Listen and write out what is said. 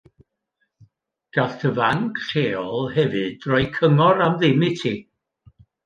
Gall dy fanc lleol hefyd roi cyngor am ddim i ti.